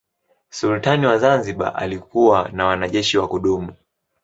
Sultani wa Zanzibar alikuwa na wanajeshi wa kudumu.